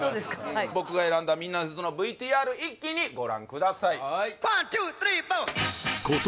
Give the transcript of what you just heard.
はい僕が選んだみんなの説のＶＴＲ一気にご覧ください